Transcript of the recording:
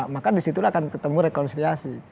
maka disitulah akan ketemu rekonsiliasi